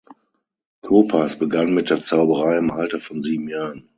Topas begann mit der Zauberei im Alter von sieben Jahren.